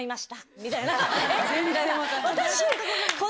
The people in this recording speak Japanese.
みたいな。